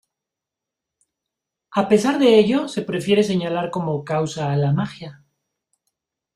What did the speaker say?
a pesar de ello, se prefiere señalar como causa a la magia